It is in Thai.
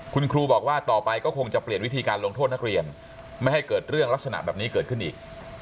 คุณครูบอกว่าต่อไปก็คงจะเปลี่ยนวิธีการลงโทษนักเรียนไม่ให้เกิดเรื่องลักษณะแบบนี้เกิดขึ้นอีก